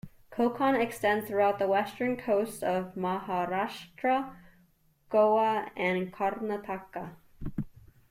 Konkan extends throughout the western coasts of Maharashtra, Goa and Karnataka.